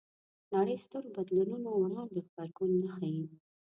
نړۍ سترو بدلونونو وړاندې غبرګون نه ښيي